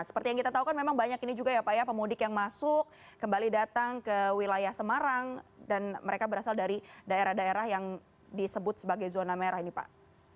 seperti yang kita tahu kan memang banyak ini juga ya pak ya pemudik yang masuk kembali datang ke wilayah semarang dan mereka berasal dari daerah daerah yang disebut sebagai zona merah ini pak